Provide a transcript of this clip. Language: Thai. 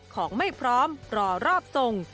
ของไม่พร้อมรอรอบทรง